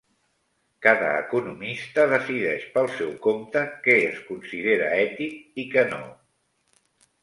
Cada economista decideix pel seu compte què es considera ètic i què no.